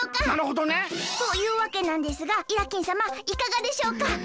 なるほどね。というわけなんですがイラッキンさまいかがでしょうか？